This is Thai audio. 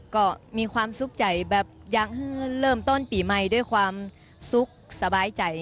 ก็มีความสุขใจแบบยังเริ่มต้นปีใหม่ด้วยความสุขสบายใจ